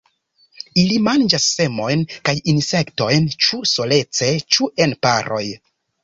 Ili manĝas semojn kaj insektojn ĉu solece ĉu en paroj.